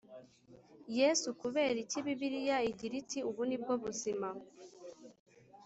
Yesu kubera iki bibiliya igira iti ubu ni bwo buzima